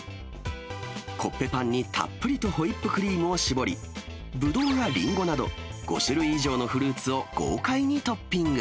コッペパンにたっぷりとホイップクリームを絞り、ぶどうやりんごなど５種類以上のフルーツを豪快にトッピング。